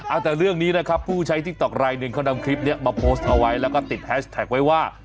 เอาแต่เรื่องนี้นะครับผู้ใช้ติ๊กต๊อกรายหนึ่งเขานำคลิปนี้มาโพสต์เอาไว้แล้วก็ติดแฮชแท็กไว้ว่า